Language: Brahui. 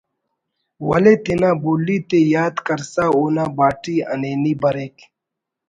ولے تینا بولی تے یات کرسا اونا باٹی ہنینی بریک